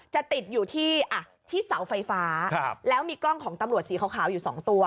จะติดอยู่ที่เสาไฟฟ้าแล้วมีกล้องของตำรวจสีขาวอยู่สองตัว